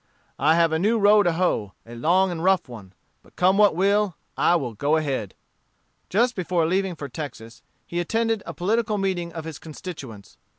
I have a new row to hoe, a long and rough one; but come what will, I will go ahead." Just before leaving for Texas, he attended a political meeting of his constituents.